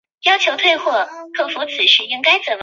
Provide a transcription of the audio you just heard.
两叉千孔珊瑚为千孔珊瑚科千孔珊瑚属下的一个种。